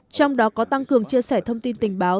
trong đó có tăng cường chia sẻ thông tin tình báo